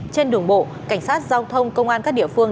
trên đường bộ cảnh sát giao thông công an các địa phương